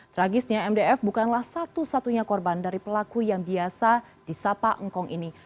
tragisnya mdf bukanlah satu satunya korban dari pelaku yang biasa di sapa engkong ini